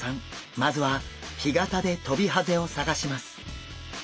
まずは干潟でトビハゼを探します。